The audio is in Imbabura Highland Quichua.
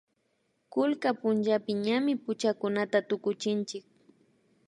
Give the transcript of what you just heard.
kullka pullapi ñami puchakunata tukuchinchik